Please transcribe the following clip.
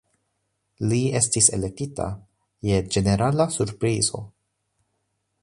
Li estis elektita je ĝenerala surprizo.